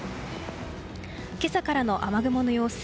今朝からの雨雲の様子。